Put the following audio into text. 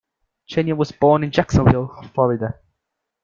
Chaney was born in Jacksonville, Florida.